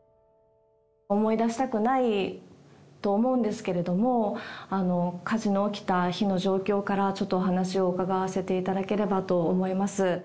思い出したくないと思うんですけれども、火事の起きた日の状況から、ちょっとお話を伺わせていただければと思います。